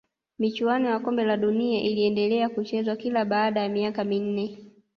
michuano ya kombe la dunia iliendelea kuchezwa kila baada ya miaka minne